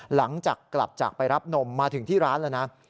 หลังจากกลับจากไปรับนมมาถึงที่ร้านแล้วนะ